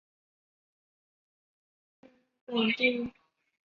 鹤园角北帝庙目前由华人庙宇委员会管理。